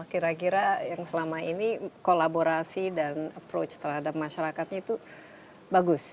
kira kira yang selama ini kolaborasi dan approach terhadap masyarakatnya itu bagus